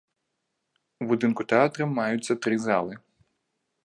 У будынку тэатра маюцца тры залы.